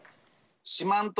四万十